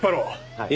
はい。